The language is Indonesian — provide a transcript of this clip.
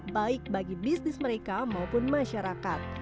baik bagi bisnis mereka maupun masyarakat